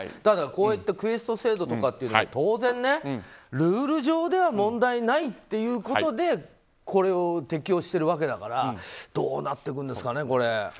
だから、こうやってクエスト制度とかって当然ルール上では問題ないということでこれを適用してるわけだからどうなっていくんですかね、これ。